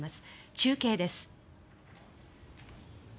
中継です。